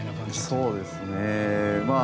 そうですね。